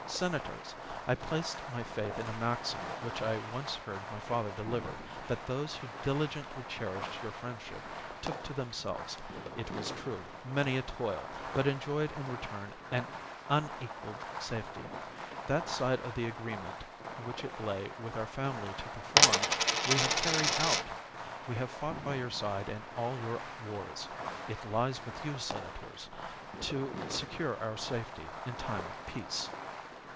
Senators, I placed my faith in a maxim which I once heard my father deliver, that those who diligently cherished your friendship took to themselves, it was true, many a toil, but enjoyed in return an unequalled safety. That side of the agree ment which it lay with our family to perform we have carried out ; we have fought by your side in all your wars ; it lies with you. Senators, to secure our safety in time of peace.